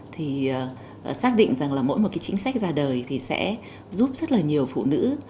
thì xác định rằng mỗi một chính sách ra đời sẽ giúp rất nhiều phụ nữ